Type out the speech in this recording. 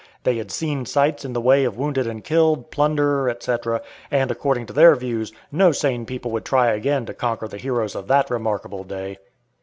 They had "seen sights" in the way of wounded and killed, plunder, etc., and according to their views, no sane people would try again to conquer the heroes of that remarkable day.